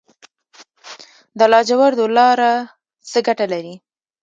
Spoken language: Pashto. د لاجوردو لاره څه ګټه لري؟